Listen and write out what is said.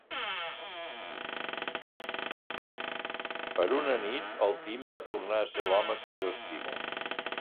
Per una nit el Tim va tornar a ser l'home que jo estimo.